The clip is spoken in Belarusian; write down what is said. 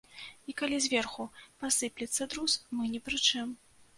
І калі зверху пасыплецца друз, мы ні пры чым.